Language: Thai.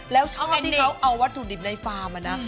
แล้วชอบที่เขาเอาวัตถุดิบในฟาร์มอะนะ